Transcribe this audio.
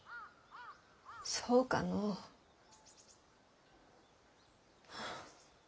そうかのう。はあ。